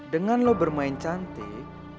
dengan lo bermain cantik